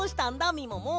みもも。